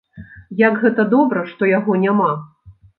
Як гэта добра, што яго няма!